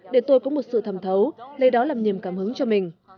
để tôi có một sự thẩm thấu lấy đó làm niềm cảm hứng cho mình